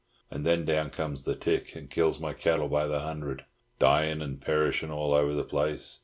And then down comes the tick, and kills my cattle by the hundred, dyin' and perishin' all over the place.